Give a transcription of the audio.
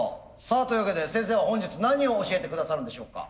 さあというわけで先生は本日何を教えて下さるんでしょうか？